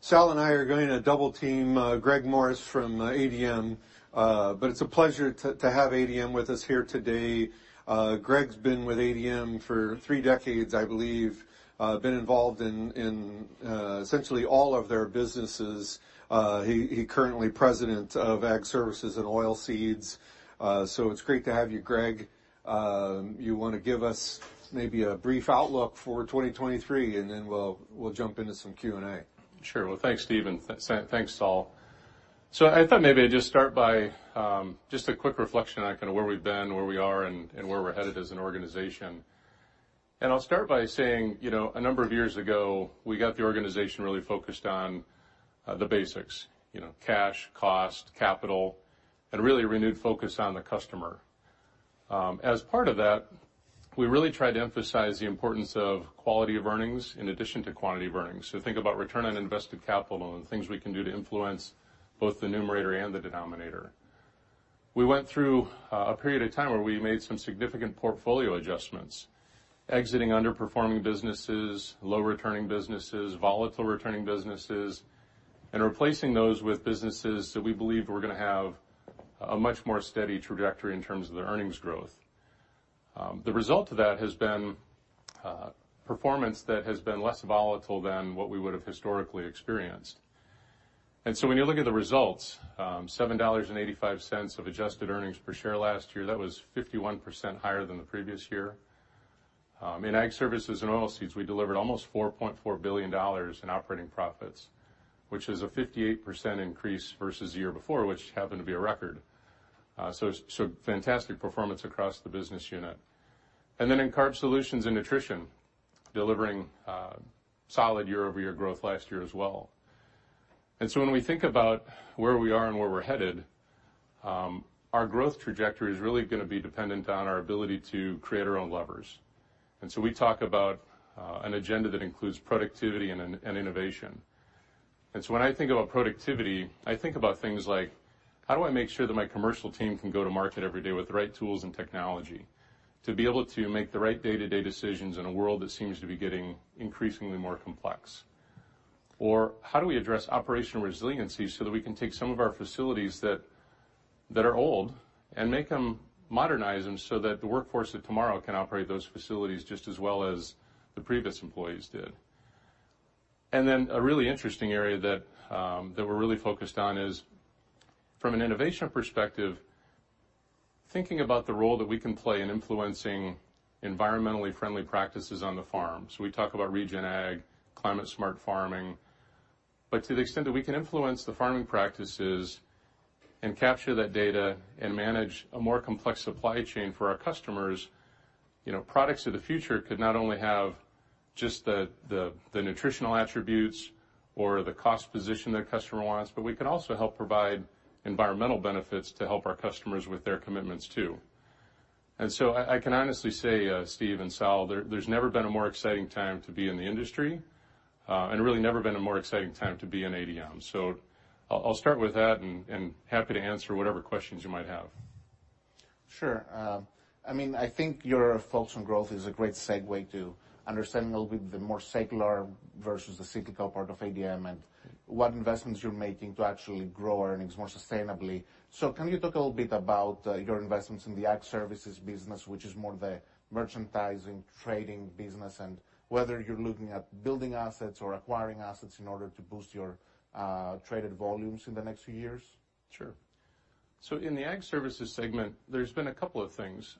Sal and I are going to double team Greg Morris from ADM. It's a pleasure to have ADM with us here today. Greg's been with ADM for three decades, I believe. Been involved in essentially all of their businesses. He currently president of Ag Services and Oilseeds. It's great to have you, Greg. You wanna give us maybe a brief outlook for 2023, and then we'll jump into some Q&A. Sure. Well, thanks, Steven. Thanks, Sal. I thought maybe I'd just start by, just a quick reflection on kinda where we've been, where we are, and where we're headed as an organization. I'll start by saying, you know, a number of years ago, we got the organization really focused on, the basics, you know, cash, cost, capital, and really renewed focus on the customer. As part of that, we really tried to emphasize the importance of quality of earnings in addition to quantity of earnings. Think about return on invested capital and things we can do to influence both the numerator and the denominator. We went through a period of time where we made some significant portfolio adjustments, exiting underperforming businesses, low returning businesses, volatile returning businesses, and replacing those with businesses that we believe were gonna have a much more steady trajectory in terms of their earnings growth. The result of that has been performance that has been less volatile than what we would have historically experienced. When you look at the results, $7.85 of adjusted earnings per share last year, that was 51% higher than the previous year. In Ag Services and Oilseeds, we delivered almost $4.4 billion in operating profits, which is a 58% increase versus the year before, which happened to be a record. Fantastic performance across the business unit. In Carbohydrate Solutions and Nutrition, delivering solid year-over-year growth last year as well. When we think about where we are and where we're headed, our growth trajectory is really gonna be dependent on our ability to create our own levers. We talk about an agenda that includes productivity and innovation. When I think about productivity, I think about things like, how do I make sure that my commercial team can go to market every day with the right tools and technology to be able to make the right day-to-day decisions in a world that seems to be getting increasingly more complex? How do we address operational resiliency so that we can take some of our facilities that are old and modernize them so that the workforce of tomorrow can operate those facilities just as well as the previous employees did? A really interesting area that we're really focused on is from an innovation perspective, thinking about the role that we can play in influencing environmentally friendly practices on the farms. We talk about regen ag, climate-smart farming. To the extent that we can influence the farming practices and capture that data and manage a more complex supply chain for our customers, you know, products of the future could not only have just the nutritional attributes or the cost position that a customer wants, but we can also help provide environmental benefits to help our customers with their commitments too. I can honestly say, Steve and Sal, there's never been a more exciting time to be in the industry, and really never been a more exciting time to be in ADM. I'll start with that, and happy to answer whatever questions you might have. Sure. I mean, I think your thoughts on growth is a great segue to understanding a little bit the more secular versus the cyclical part of ADM and what investments you're making to actually grow earnings more sustainably. Can you talk a little bit about your investments in the Ag Services business, which is more the merchandising, trading business, and whether you're looking at building assets or acquiring assets in order to boost your traded volumes in the next few years? Sure. In the Ag Services segment, there's been a couple of things.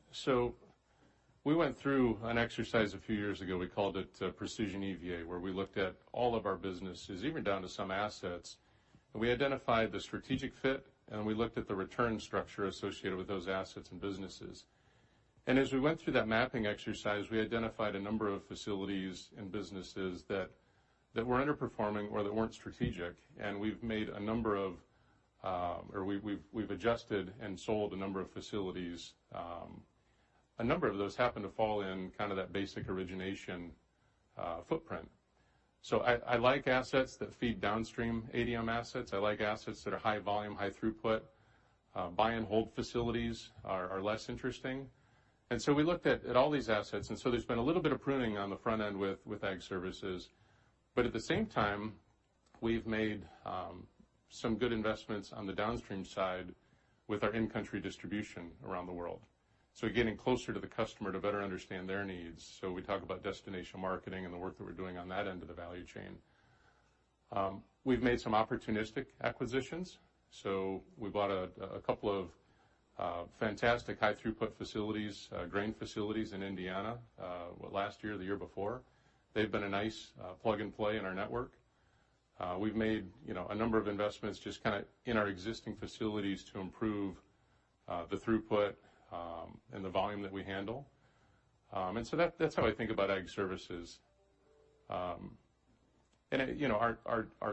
We went through an exercise a few years ago, we called it Precision EVA, where we looked at all of our businesses, even down to some assets. We identified the strategic fit, and we looked at the return structure associated with those assets and businesses. As we went through that mapping exercise, we identified a number of facilities and businesses that were underperforming or that weren't strategic, and we've made a number of, or we've adjusted and sold a number of facilities. A number of those happen to fall in kind of that basic origination footprint. I like assets that feed downstream ADM assets. I like assets that are high volume, high throughput. Buy and hold facilities are less interesting. We looked at all these assets. There's been a little bit of pruning on the front end with Ag Services. At the same time, we've made some good investments on the downstream side with our in-country distribution around the world. Getting closer to the customer to better understand their needs. We talk about destination marketing and the work that we're doing on that end of the value chain. We've made some opportunistic acquisitions. We bought a couple of fantastic high throughput facilities, grain facilities in Indiana, last year or the year before. They've been a nice plug-and-play in our network. We've made, you know, a number of investments just kinda in our existing facilities to improve the throughput and the volume that we handle. That's how I think about Ag Services. Our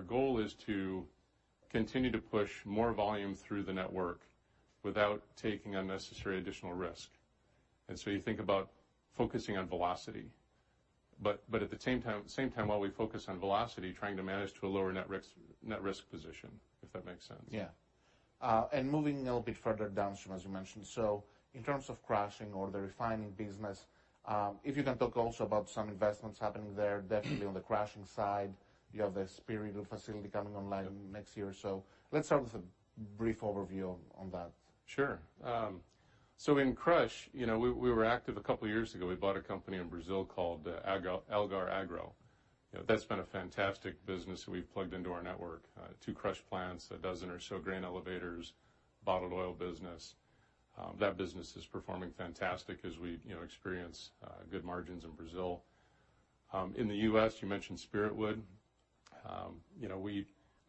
goal is to continue to push more volume through the network without taking unnecessary additional risk. You think about focusing on velocity. At the same time, while we focus on velocity, trying to manage to a lower net risk position, if that makes sense. Yeah. Moving a little bit further downstream, as you mentioned. In terms of crushing or the refining business, if you can talk also about some investments happening there. Definitely on the crushing side, you have the Spiritwood facility coming online next year or so. Let's start with a brief overview on that. Sure. In crush, we were active a couple years ago. We bought a company in Brazil called Algar Agro. That's been a fantastic business that we've plugged into our network. 2 crush plants, a dozen or so grain elevators, bottled oil business. That business is performing fantastic as we, you know, experience good margins in Brazil. In the U.S., you mentioned Spiritwood.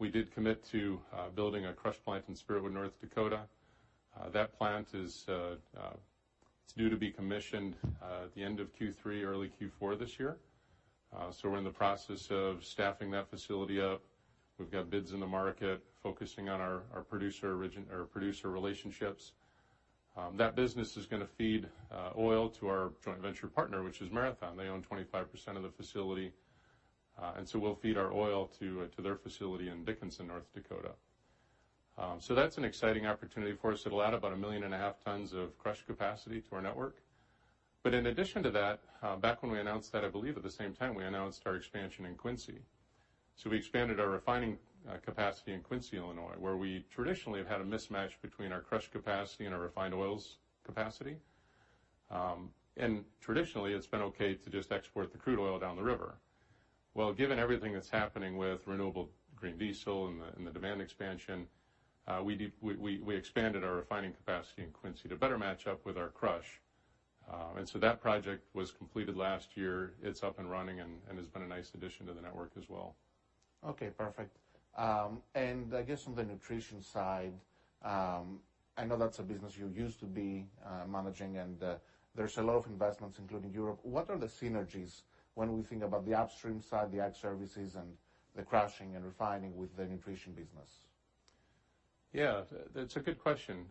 We did commit to building a crush plant in Spiritwood, North Dakota. That plant is, it's due to be commissioned at the end of Q3, early Q4 this year. We're in the process of staffing that facility up. We've got bids in the market focusing on our producer relationships. That business is gonna feed oil to our joint venture partner, which is Marathon. They own 25% of the facility. We'll feed our oil to their facility in Dickinson, North Dakota. That's an exciting opportunity for us. It'll add about 1.5 million tons of crush capacity to our network. In addition to that, back when we announced that, I believe at the same time, we announced our expansion in Quincy. We expanded our refining capacity in Quincy, Illinois, where we traditionally have had a mismatch between our crush capacity and our refined oils capacity. Traditionally, it's been okay to just export the crude oil down the river. Well, given everything that's happening with renewable green diesel and the demand expansion, we expanded our refining capacity in Quincy to better match up with our crush. That project was completed last year. It's up and running and has been a nice addition to the network as well. Okay, perfect. I guess on the Nutrition side, I know that's a business you used to be managing, and there's a lot of investments, including Europe. What are the synergies when we think about the upstream side, the Ag Services and the crushing and refining with the Nutrition business? Yeah. That's a good question.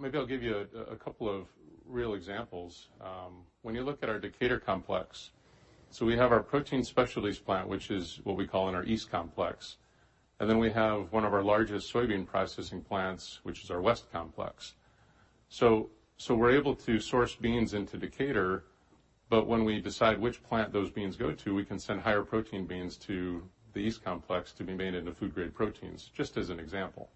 Maybe I'll give you a couple of real examples. When you look at our Decatur complex, we have our protein specialties plant, which is what we call in our East Complex. We have one of our largest soybean processing plants, which is our West Complex. We're able to source beans into Decatur, but when we decide which plant those beans go to, we can send higher protein beans to the East Complex to be made into food grade proteins, just as an example.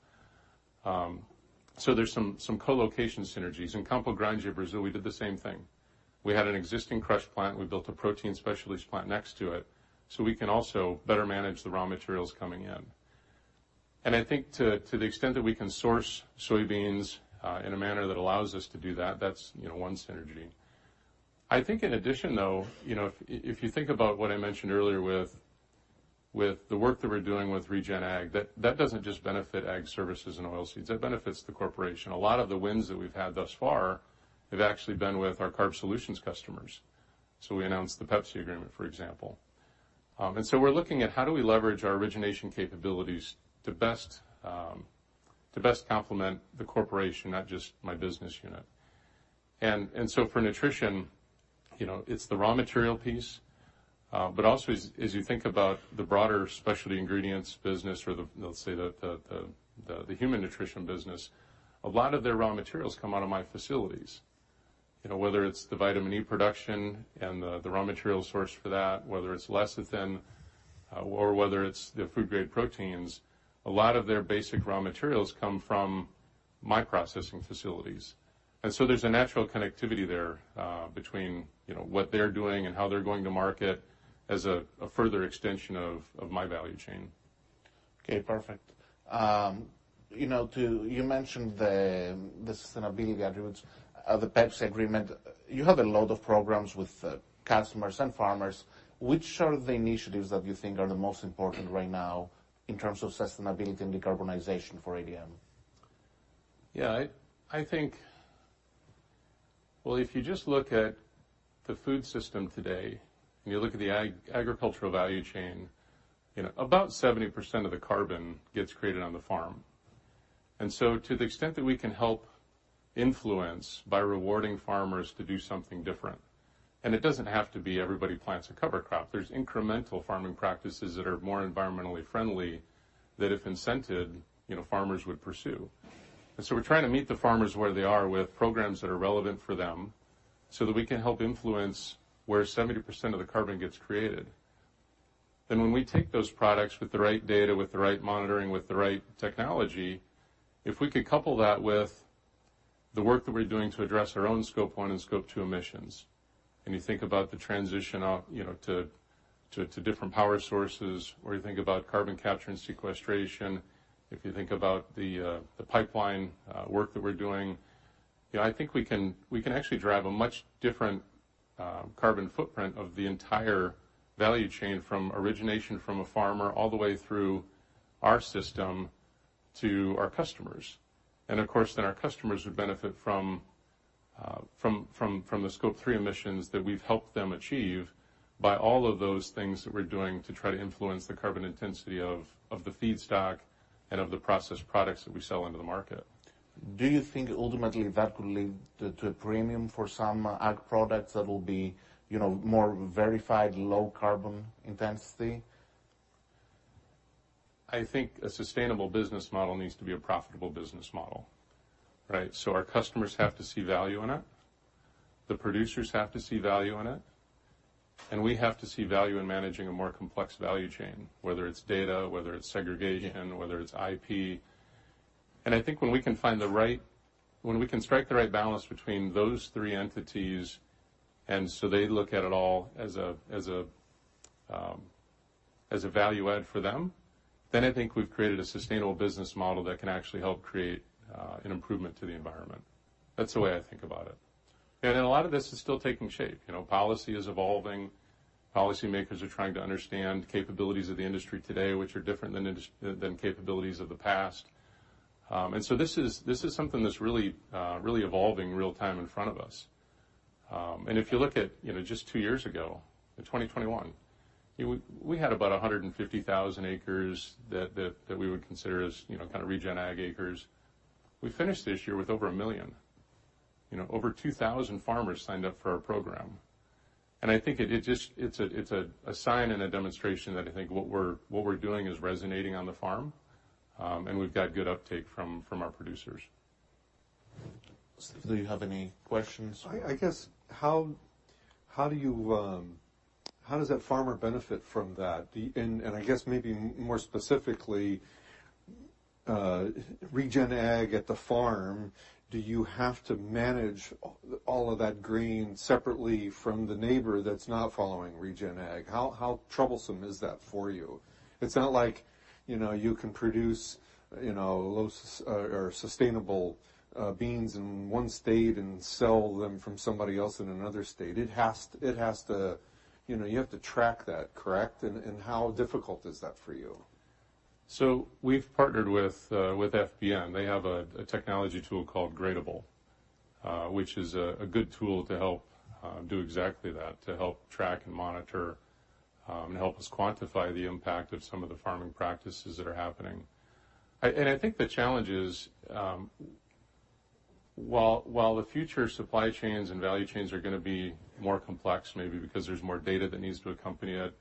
There's some co-location synergies. In Campo Grande, Brazil, we did the same thing. We had an existing crush plant, we built a protein specialties plant next to it, we can also better manage the raw materials coming in. I think to the extent that we can source soybeans in a manner that allows us to do that's, you know, one synergy. I think in addition, though, you know, if you think about what I mentioned earlier with the work that we're doing with regen ag, that doesn't just benefit Ag Services and Oilseeds, that benefits the corporation. A lot of the wins that we've had thus far have actually been with our Carbohydrate Solutions customers. We announced the PepsiCo agreement, for example. We're looking at how do we leverage our origination capabilities to best complement the corporation, not just my business unit. For Nutrition, it's the raw material piece, but also as you think about the broader specialty ingredients business or the, let's say, the human Nutrition business, a lot of their raw materials come out of my facilities. Whether it's the vitamin E production and the raw material source for that, whether it's lecithin, or whether it's the food grade proteins, a lot of their basic raw materials come from my processing facilities. There's a natural connectivity there, between what they're doing and how they're going to market as a further extension of my value chain. Okay, perfect. You mentioned the sustainability attributes of the PepsiCo agreement. You have a lot of programs with customers and farmers. Which are the initiatives that you think are the most important right now in terms of sustainability and decarbonization for ADM? I think, well, if you just look at the food system today, you look at the agricultural value chain, you know, about 70% of the carbon gets created on the farm. To the extent that we can help influence by rewarding farmers to do something different, it doesn't have to be everybody plants a cover crop. There's incremental farming practices that are more environmentally friendly that if incented farmers would pursue. We're trying to meet the farmers where they are with programs that are relevant for them so that we can help influence where 70% of the carbon gets created. When we take those products with the right data, with the right monitoring, with the right technology, if we could couple that with the work that we're doing to address our own Scope 1 and Scope 2 emissions, and you think about the transition of, you know, to different power sources, or you think about carbon capture and sequestration, if you think about the pipeline work that we're doing, I think we can actually drive a much different carbon footprint of the entire value chain from origination from a farmer all the way through our system to our customers. Of course, then our customers would benefit from the Scope 3 emissions that we've helped them achieve by all of those things that we're doing to try to influence the carbon intensity of the feedstock and of the processed products that we sell into the market. Do you think ultimately that could lead to a premium for some ag products that will be, you know, more verified low carbon intensity? I think a sustainable business model needs to be a profitable business model, right? Our customers have to see value in it, the producers have to see value in it, and we have to see value in managing a more complex value chain, whether it's data, whether it's segregation, whether it's IP. I think when we can strike the right balance between those three entities, and so they look at it all as a value add for them, then I think we've created a sustainable business model that can actually help create an improvement to the environment. That's the way I think about it. A lot of this is still taking shape. You know, policy is evolving. Policy makers are trying to understand capabilities of the industry today, which are different than capabilities of the past. This is something that's really evolving real time in front of us. If you look at, you know, just two years ago, in 2021, we had about 150,000 acres that we would consider as, you know, kind of regen ag acres. We finished this year with over 1 million. You know, over 2,000 farmers signed up for our program. I think it just, it's a, it's a sign and a demonstration that I think what we're doing is resonating on the farm, and we've got good uptake from our producers. Do you have any questions? I guess how does that farmer benefit from that? I guess maybe more specifically, regen ag at the farm, do you have to manage all of that grain separately from the neighbor that's not following regen ag? How troublesome is that for you? It's not like you can produce, you know, low or sustainable beans in one state and sell them from somebody else in another state. You have to track that, correct? How difficult is that for you? We've partnered with FBN. They have a technology tool called Gradable, which is a good tool to help do exactly that, to help track and monitor, help us quantify the impact of some of the farming practices that are happening. I think the challenge is, while the future supply chains and value chains are gonna be more complex, maybe because there's more data that needs to accompany it,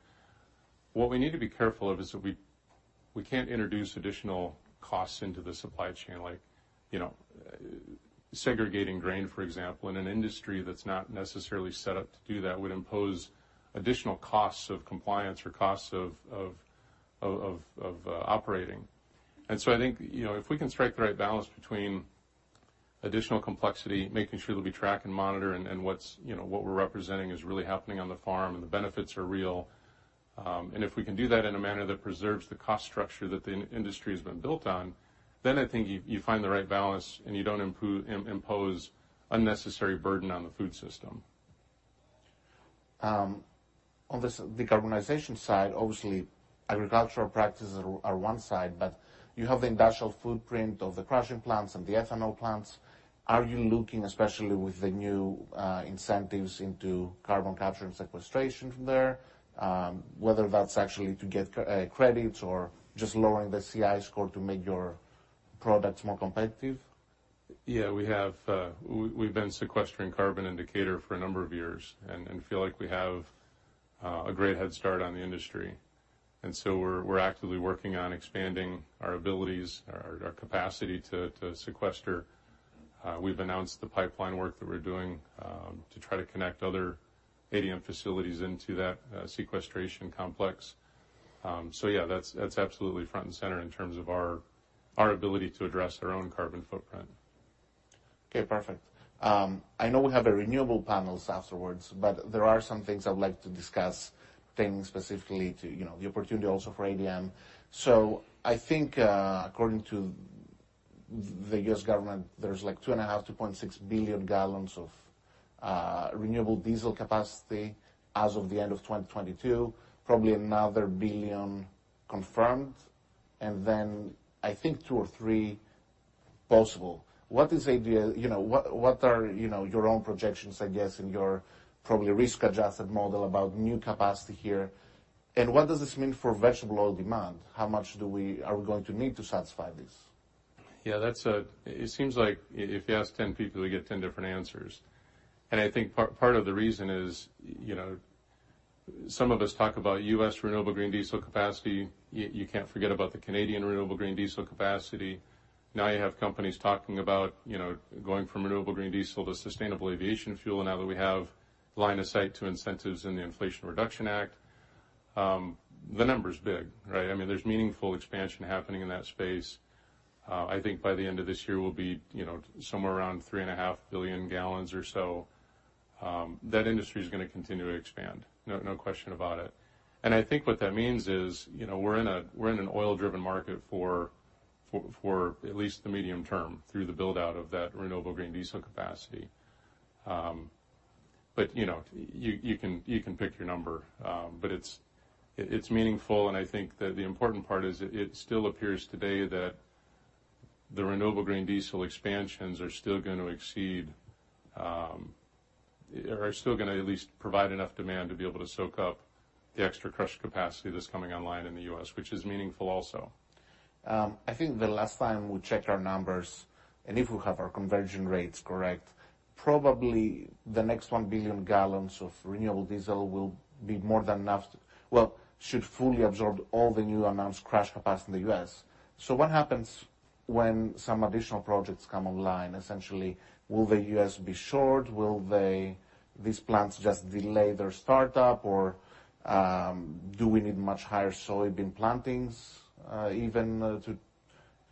what we need to be careful of is that we can't introduce additional costs into the supply chain like, you know, segregating grain, for example, in an industry that's not necessarily set up to do that would impose additional costs of compliance or costs of operating. I think if we can strike the right balance between additional complexity, making sure that we track and monitor and what's, you know, what we're representing is really happening on the farm, and the benefits are real, and if we can do that in a manner that preserves the cost structure that the industry has been built on, then I think you find the right balance and you don't impose unnecessary burden on the food system. On this decarbonization side, obviously agricultural practices are one side, but you have the industrial footprint of the crushing plants and the ethanol plants. Are you looking especially with the new incentives into carbon capture and sequestration from there, whether that's actually to get credits or just lowering the CI score to make your products more competitive? Yeah. We have, we've been sequestering carbon in Decatur for a number of years and feel like we have a great head start on the industry. We're actively working on expanding our abilities, our capacity to sequester. We've announced the pipeline work that we're doing to try to connect other ADM facilities into that sequestration complex. Yeah, that's absolutely front and center in terms of our ability to address our own carbon footprint. Okay, perfect. I know we have a renewable panels afterwards, but there are some things I would like to discuss, things specifically to, you know, the opportunity also for ADM. I think, according to the U.S. government, there's like 2.5 billion-2.6 billion gallons of renewable diesel capacity as of the end of 2022, probably another 1 billion confirmed, and then I think two or three possible. What are your own projections, I guess, in your probably risk-adjusted model about new capacity here, and what does this mean for vegetable oil demand? How much are we going to need to satisfy this? Yeah, that's. It seems like if you ask 10 people, you get 10 different answers. I think part of the reason is, you know, some of us talk about U.S. renewable green diesel capacity. You can't forget about the Canadian renewable green diesel capacity. Now you have companies talking about, you know, going from renewable green diesel to sustainable aviation fuel now that we have line of sight to incentives in the Inflation Reduction Act. The number is big, right? I mean, there's meaningful expansion happening in that space. I think by the end of this year we'll be, you know, somewhere around 3.5 billion gallons or so. That industry is gonna continue to expand. No question about it. I think what that means is, you know, we're in an oil-driven market for at least the medium term through the build-out of that renewable green diesel capacity. You can pick your number. It's meaningful, and I think that the important part is it still appears today that the renewable green diesel expansions are still gonna exceed, are still going to at least provide enough demand to be able to soak up the extra crush capacity that's coming online in the U.S., which is meaningful also. I think the last time we checked our numbers, and if we have our conversion rates correct, probably the next 1 billion gallons of renewable diesel will be more than enough well, should fully absorb all the new announced crush capacity in the U.S. What happens when some additional projects come online? Essentially, will the U.S. be short? Will these plants just delay their startup or, do we need much higher soybean plantings, even,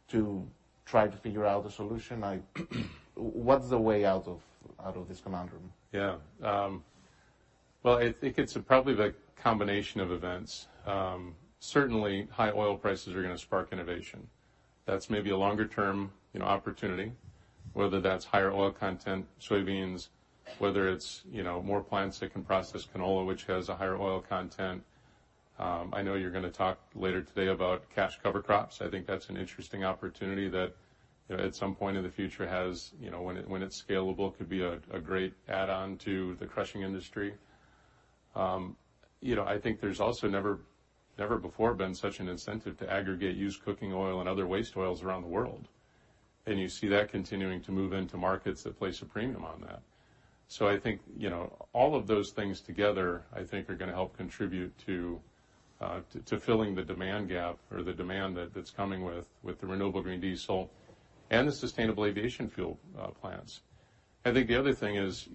to try to figure out a solution? What's the way out of this conundrum? Well, I think it's probably the combination of events. Certainly high oil prices are gonna spark innovation. That's maybe a longer-term, you know, opportunity, whether that's higher oil content soybeans, whether it's, you know, more plants that can process canola, which has a higher oil content. I know you're gonna talk later today about cash cover crops. I think that's an interesting opportunity that, you know, at some point in the future has, you know, when it's scalable, could be a great add-on to the crushing industry. I think there's also never before been such an incentive to aggregate used cooking oil and other waste oils around the world, and you see that continuing to move into markets that place a premium on that. I think, you know, all of those things together, I think, are gonna help contribute to filling the demand gap or the demand that's coming with the renewable green diesel and the sustainable aviation fuel plants. I think the other thing is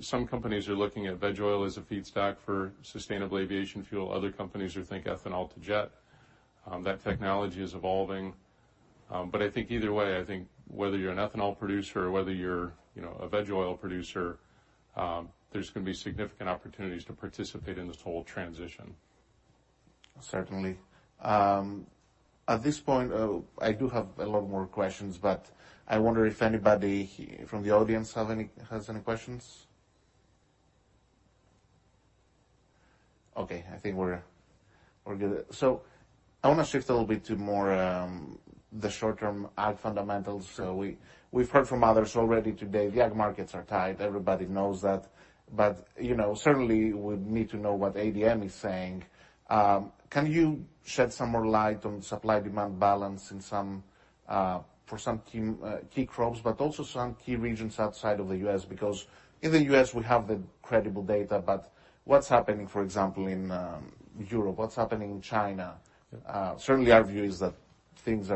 some companies are looking at veg oil as a feedstock for sustainable aviation fuel. Other companies are think ethanol-to-jet. That technology is evolving. I think either way, I think whether you're an ethanol producer or whether you're, you know, a veg oil producer, there's gonna be significant opportunities to participate in this whole transition. Certainly. At this point, I do have a lot more questions, I wonder if anybody from the audience has any questions. Okay. I think we're good. I wanna shift a little bit to more the short-term ag fundamentals. We've heard from others already today, the ag markets are tight. Everybody knows that. You know, certainly we need to know what ADM is saying. Can you shed some more light on supply-demand balance in some for some key key crops, but also some key regions outside of the US? In the US, we have the credible data, but what's happening, for example, in Europe? What's happening in China? Certainly our view is that yields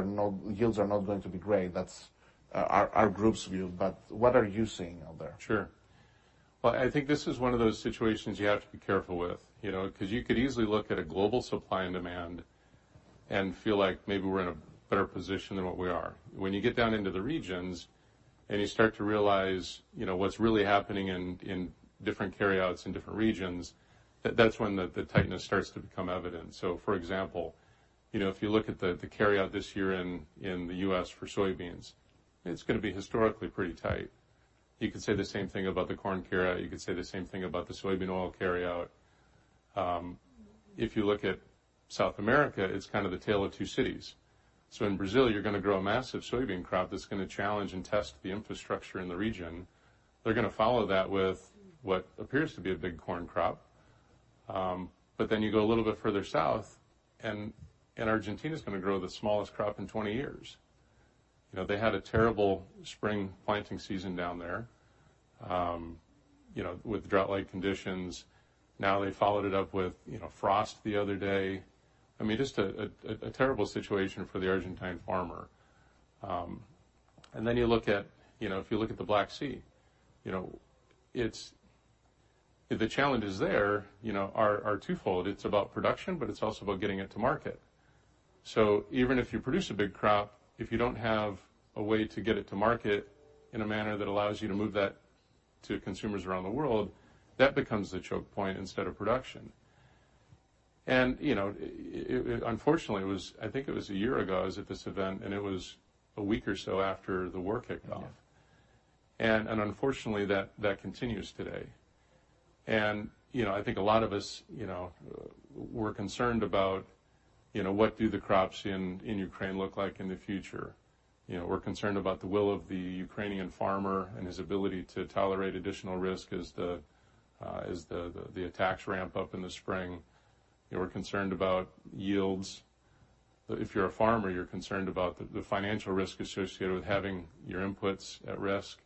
are not going to be great. That's our group's view, but what are you seeing out there? Sure. Well, I think this is one of those situations you have to be careful with, you know, 'cause you could easily look at a global supply and demand and feel like maybe we're in a better position than what we are. When you get down into the regions and you start to realize, you know, what's really happening in different carryouts in different regions, that's when the tightness starts to become evident. For example, you know, if you look at the carryout this year in the U.S. for soybeans, it's gonna be historically pretty tight. You could say the same thing about the corn carryout. You could say the same thing about the soybean oil carryout. If you look at South America, it's kind of the tale of two cities. In Brazil, you're gonna grow a massive soybean crop that's gonna challenge and test the infrastructure in the region. They're gonna follow that with what appears to be a big corn crop. Then you go a little bit further south, and Argentina's gonna grow the smallest crop in 20 years. They had a terrible spring planting season down there, you know, with drought-like conditions. Now they followed it up with, you know, frost the other day. I mean, just a terrible situation for the Argentine farmer. Then you look at, you know, if you look at the Black Sea, you know, the challenges there, you know, are twofold. It's about production, but it's also about getting it to market. Even if you produce a big crop, if you don't have a way to get it to market in a manner that allows you to move that to consumers around the world, that becomes the choke point instead of production. You know, unfortunately, I think it was a year ago, I was at this event, and it was a week or so after the war kicked off. Unfortunately, that continues today. You know, I think a lot of us, you know, we're concerned about, you know, what do the crops in Ukraine look like in the future. You know, we're concerned about the will of the Ukrainian farmer and his ability to tolerate additional risk as the attacks ramp up in the spring. We're concerned about yields. If you're a farmer, you're concerned about the financial risk associated with having your inputs at risk.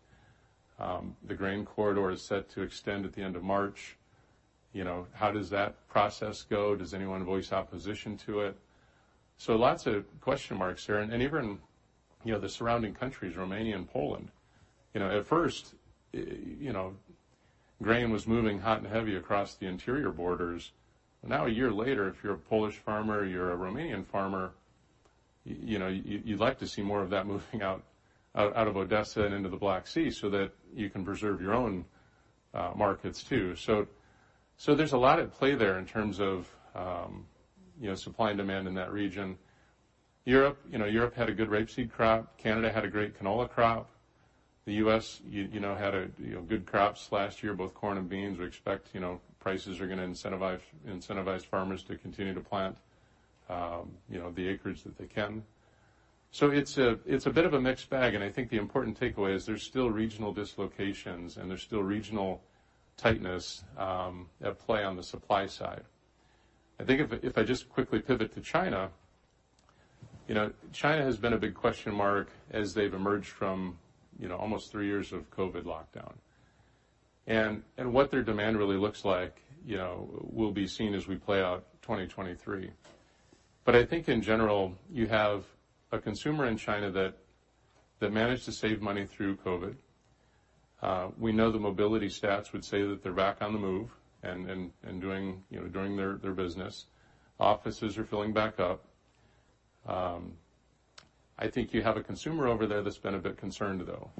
The grain corridor is set to extend at the end of March. You know, how does that process go? Does anyone voice opposition to it? Lots of question marks there. Even, you know, the surrounding countries, Romania and Poland. You know, at first, you know, grain was moving hot and heavy across the interior borders. Now, a year later, if you're a Polish farmer, you're a Romanian farmer, you know, you'd like to see more of that moving out of Odessa and into the Black Sea so that you can preserve your own markets too. There's a lot at play there in terms of, you know, supply and demand in that region. Europe, you know, Europe had a good rapeseed crop. Canada had a great canola crop. The U.S., you know, had good crops last year, both corn and beans. We expect, you know, prices are gonna incentivize farmers to continue to plant, you know, the acreage that they can. It's a bit of a mixed bag, and I think the important takeaway is there's still regional dislocations and there's still regional tightness at play on the supply side. I think if I just quickly pivot to China, you know, China has been a big question mark as they've emerged from, you know, almost three years of COVID lockdown. What their demand really looks like, you know, will be seen as we play out 2023. I think in general, you have a consumer in China that managed to save money through COVID. We know the mobility stats would say that they're back on the move and doing, you know, their business. Offices are filling back up. I think you have a consumer over there that's been a bit concerned though,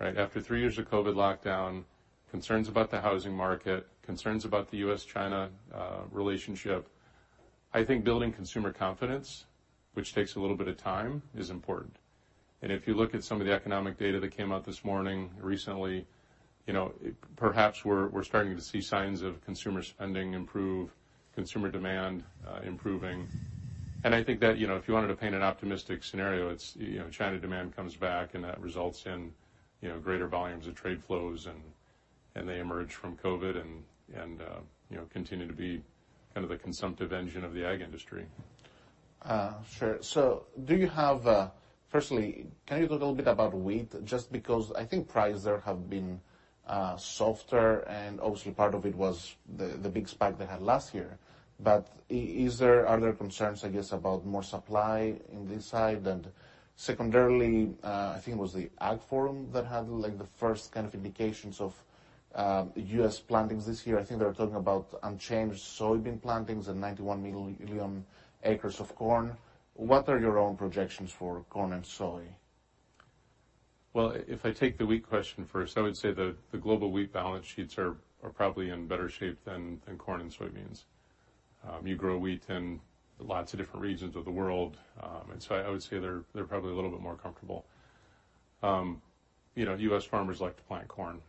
right? After three years of COVID lockdown, concerns about the housing market, concerns about the U.S.-China relationship. I think building consumer confidence, which takes a little bit of time, is important. If you look at some of the economic data that came out this morning recently, you know, perhaps we're starting to see signs of consumer spending improve, consumer demand, improving. I think that, you know, if you wanted to paint an optimistic scenario, it's, you know, China demand comes back, and that results in, you know, greater volumes of trade flows, and they emerge from COVID and, you know, continue to be kind of the consumptive engine of the ag industry. Sure. Firstly, can you talk a little bit about wheat, just because I think prices there have been softer, and obviously part of it was the big spike they had last year. Are there concerns, I guess, about more supply in this side? Secondarily, I think it was the Ag Forum that had, like, the first kind of indications of U.S. plantings this year. I think they were talking about unchanged soybean plantings and 91 million acres of corn. What are your own projections for corn and soy? Well, if I take the wheat question first, I would say the global wheat balance sheets are probably in better shape than corn and soybeans. You grow wheat in lots of different regions of the world. I would say they're probably a little bit more comfortable. You know, U.S. farmers like to plant corn.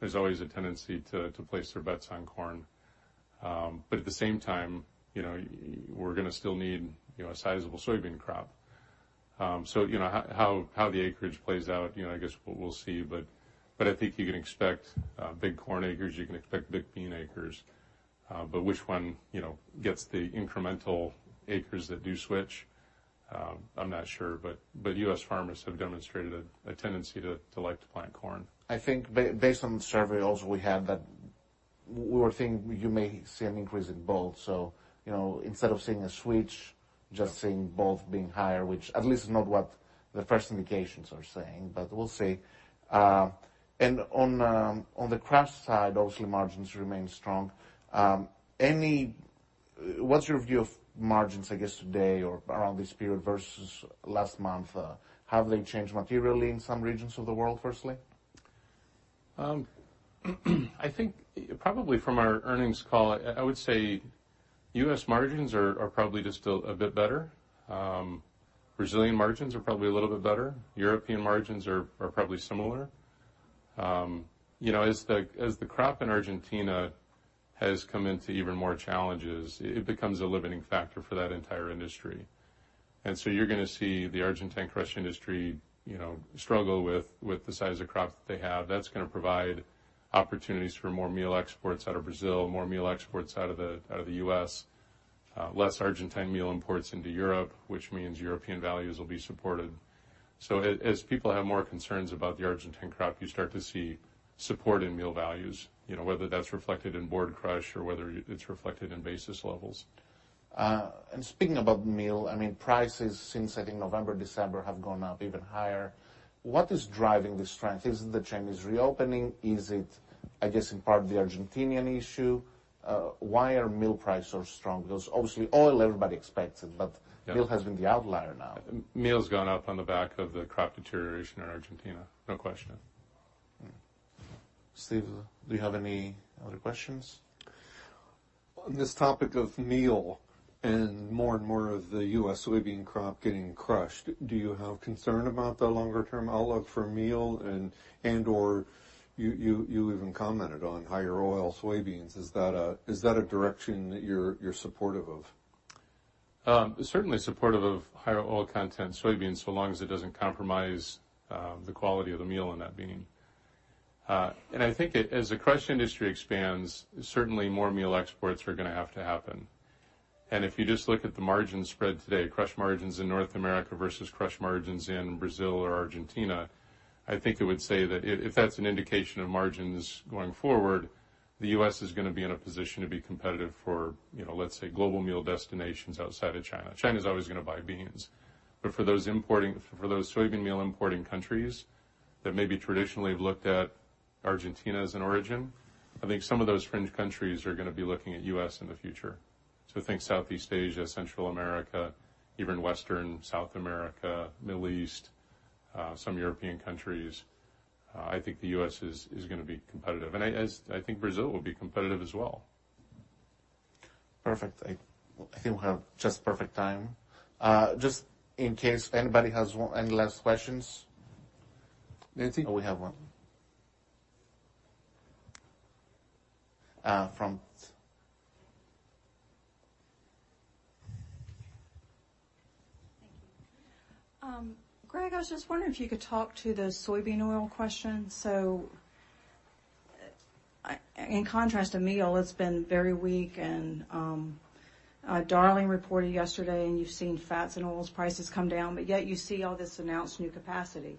There's always a tendency to place their bets on corn. At the same time, you know, we're gonna still need, you know, a sizable soybean crop. You know, how the acreage plays out, you know, I guess we'll see, but I think you can expect big corn acres, you can expect big bean acres. Which one, you know, gets the incremental acres that do switch, I'm not sure U.S. farmers have demonstrated a tendency to like to plant corn. I think based on the survey also we had that we're thinking you may see an increase in both. Instead of seeing a switch, just seeing both being higher, which at least is not what the first indications are saying, but we'll see. On the crop side, obviously margins remain strong. What's your view of margins, I guess, today or around this period versus last month? Have they changed materially in some regions of the world, firstly? I think probably from our earnings call, I would say U.S. margins are probably just a bit better. Brazilian margins are probably a little bit better. European margins are probably similar. You know, as the crop in Argentina has come into even more challenges, it becomes a limiting factor for that entire industry. You're gonna see the Argentine crush industry, you know, struggle with the size of crop that they have. That's gonna provide opportunities for more meal exports out of Brazil, more meal exports out of the U.S., less Argentine meal imports into Europe, which means European values will be supported. As people have more concerns about the Argentine crop, you start to see support in meal values, you know, whether that's reflected in Board Crush or whether it's reflected in basis levels. Speaking about meal, I mean, prices since I think November, December have gone up even higher. What is driving this trend? Is it the Chinese reopening? Is it, I guess, in part the Argentinian issue? Why are meal prices so strong? Obviously oil, everybody expects it, but meal has been the outlier now. Meal's gone up on the back of the crop deterioration in Argentina. No question. Steve, do you have any other questions? On this topic of meal and more and more of the U.S. soybean crop getting crushed, do you have concern about the longer term outlook for meal and/or you even commented on higher oil soybeans, is that a direction that you're supportive of? Certainly supportive of higher oil content soybeans, so long as it doesn't compromise the quality of the meal in that bean. I think as the crush industry expands, certainly more meal exports are gonna have to happen. If you just look at the margin spread today, crush margins in North America versus crush margins in Brazil or Argentina, I think it would say that if that's an indication of margins going forward, the U.S. is gonna be in a position to be competitive for, you know, let's say, global meal destinations outside of China. China's always gonna buy beans. For those soybean meal importing countries that maybe traditionally have looked at Argentina as an origin, I think some of those fringe countries are gonna be looking at U.S. in the future. Think Southeast Asia, Central America, even Western South America, Middle East, some European countries. I think the U.S. is gonna be competitive. I think Brazil will be competitive as well. Perfect. I think we have just perfect time. Just in case anybody has any last questions. Oh, we have one. Thank you. Greg, I was just wondering if you could talk to the soybean oil question. In contrast to meal, it's been very weak and Darling reported yesterday, and you've seen fats and oils prices come down, but yet you see all this announced new capacity.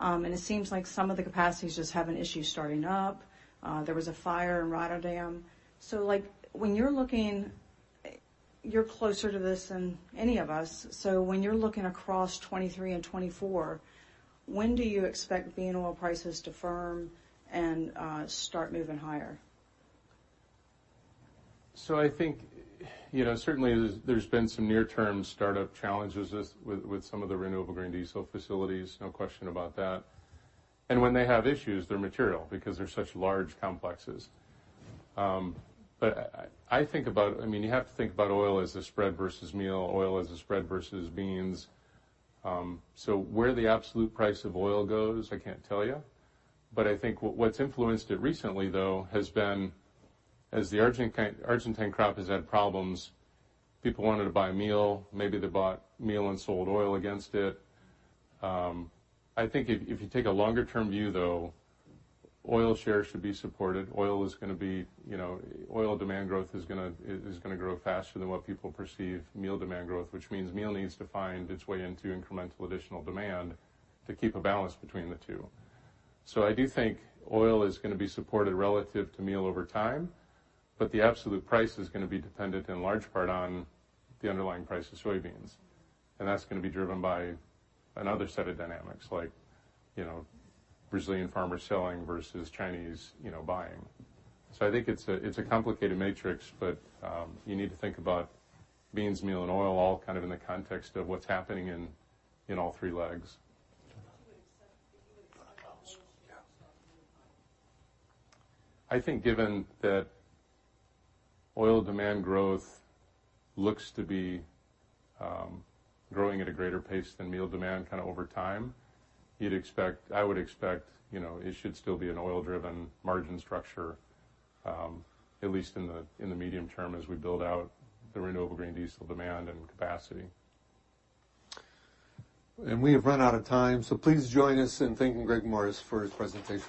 It seems like some of the capacities just have an issue starting up. There was a fire in Rotterdam. Like when you're looking, you're closer to this than any of us. When you're looking across 2023 and 2024, when do you expect bean oil prices to firm and start moving higher? I think, you know, certainly there's been some near-term startup challenges with some of the renewable green diesel facilities, no question about that. When they have issues, they're material because they're such large complexes. I think about, you have to think about oil as a spread versus meal, oil as a spread versus beans. Where the absolute price of oil goes, I can't tell you, but I think what's influenced it recently, though, has been as the Argentine crop has had problems, people wanted to buy meal. Maybe they bought meal and sold oil against it. I think if you take a longer-term view, though, oilshare should be supported. Oil is gonna be, you know, oil demand growth is gonna grow faster than what people perceive meal demand growth, which means meal needs to find its way into incremental additional demand to keep a balance between the two. I do think oil is gonna be supported relative to meal over time, but the absolute price is gonna be dependent in large part on the underlying price of soybeans. That's gonna be driven by another set of dynamics like, you know, Brazilian farmers selling versus Chinese, you know, buying. I think it's a, it's a complicated matrix, but you need to think about beans, meal, and oil all kind of in the context of what's happening in all three legs. I think given that oil demand growth looks to be growing at a greater pace than meal demand kinda over time, I would expect, you know, it should still be an oil-driven margin structure, at least in the medium term as we build out the renewable diesel demand and capacity. We have run out of time, so please join us in thanking Greg Morris for his presentation.